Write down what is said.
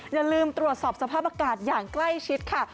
อย่าลืมตรวจสอบสภาพอากาศอย่างใกล้ชิดค่ะ